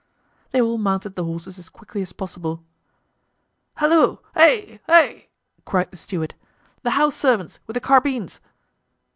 They all mounted the horses as quickly as possible. "Halloo! hi! hi!" cried the steward; "the house servants, with the carbines!"